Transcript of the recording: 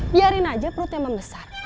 biarin aja perutnya membesar